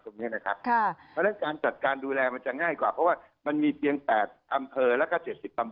เพราะฉะนั้นการจัดการดูแลมันจะง่ายกว่าเพราะว่ามันมีเพียง๘อำเภอแล้วก็๗๐อำเภอ